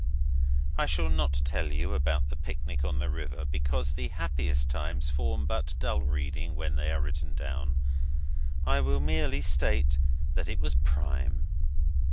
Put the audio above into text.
I shall not tell you about the picnic on the river because the happiest times form but dull reading when they are written down. I will merely state that it was prime.